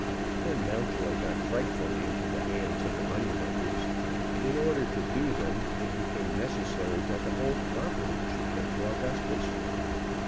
Then Mountjoy got frightfully into the hands of the money lenders, and in order to do them it became necessary that the whole property should go to Augustus."